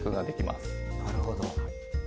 なるほど。